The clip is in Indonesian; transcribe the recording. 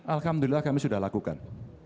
alhamdulillah kami sudah lakukan